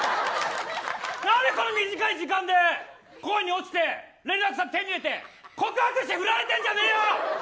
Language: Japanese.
何で、この短い時間で恋に落ちて連絡先手に入れて告白して振られてんじゃねえよ。